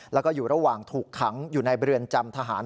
แล้วก็อยู่ระหว่างถูกขังอยู่ในเรือนจำทหาร